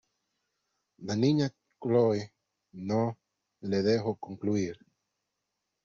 la Niña Chole no le dejó concluir: